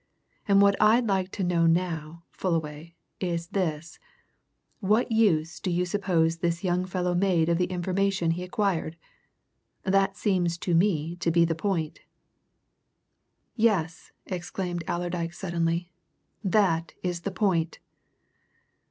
And what I'd like to know now, Fullaway, is this what use do you suppose this young fellow made of the information he acquired? That seems to me to be the point." "Yes!" exclaimed Allerdyke suddenly. "That is the point!"